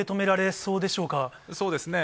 そうですね。